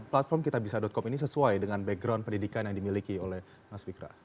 platform kitabisa com ini sesuai dengan background pendidikan yang dimiliki oleh mas fikra